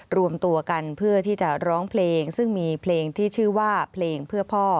รวมตัวกันเพื่อที่จะร้องเพลงซึ่งมีเพลงที่ชื่อว่าเพลงเพื่อพ่อ